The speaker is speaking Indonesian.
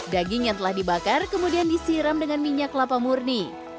daging yang telah dibakar kemudian disiram dengan minyak kelapa murni